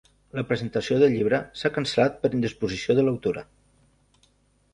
La presentació del llibre s'ha cancel·lat per indisposició de l'autora.